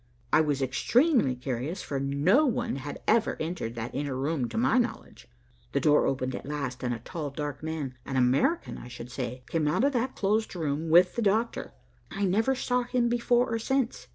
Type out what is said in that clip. I was extremely curious for no one had ever entered that inner room to my knowledge. The door opened at last, and a tall, dark man, an American I should say, came out of that closed room with the doctor. I never saw him before or since.